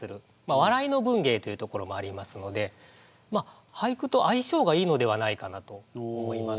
笑いの文芸というところもありますので俳句と相性がいいのではないかなと思います。